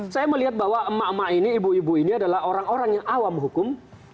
saya melihat bahwa emak emak ini ibu ibu ini adalah orang orang yang awam hukum